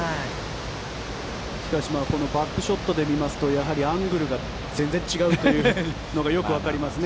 しかしバックショットで見ますとやはりアングルが全然違うというのがよくわかりますね。